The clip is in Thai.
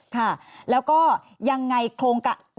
ค่ะแล้วก็ยังไงโครงการ